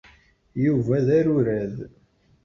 Yuba d arurad.